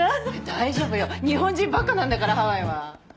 大丈夫よ日本人ばっかなんだからハワイは。